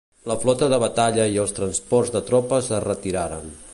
La flota de batalla i els transports de tropes es retiraren.